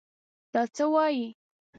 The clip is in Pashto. دا څه وايې!